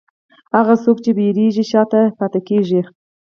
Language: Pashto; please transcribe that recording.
هغه څوک چې وېرېږي، شا ته پاتې کېږي.